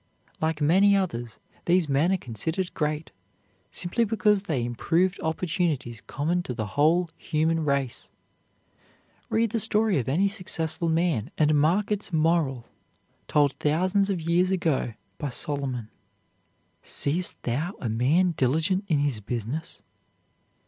Like many others, these men are considered great, simply because they improved opportunities common to the whole human race. Read the story of any successful man and mark its moral, told thousands of years ago by Solomon: "Seest thou a man diligent in his business?